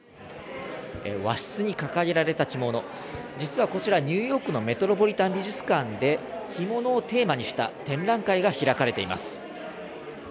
和室に掲げられた着物、実はこちら、ニューヨークのメトロポリタン美術館で着物をテーマにした展覧会が開かれています。